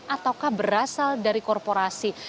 ataukah berasal dari korporasi